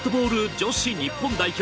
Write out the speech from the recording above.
女子日本代表